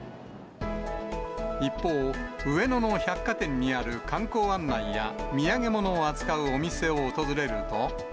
一方、上野の百貨店にある観光案内や土産物を扱うお店を訪れると。